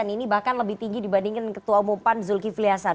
ini bahkan lebih tinggi dibandingkan ketua umum pan zulkifli hasan